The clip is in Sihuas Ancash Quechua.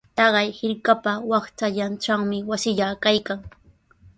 Taqay hirkapa waqtallantrawmi wasillaa kaykan.